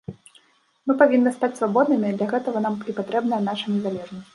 Мы павінны стаць свабоднымі, а для гэтага нам і патрэбная наша незалежнасць.